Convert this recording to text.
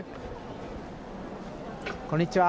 こんにちは。